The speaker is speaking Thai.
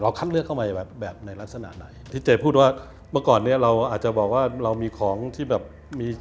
คัดเลือกเข้ามาแบบในลักษณะไหนที่เจ๊พูดว่าเมื่อก่อนเนี้ยเราอาจจะบอกว่าเรามีของที่แบบมี